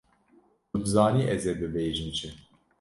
Tu dizanî ez ê bibêjim çi!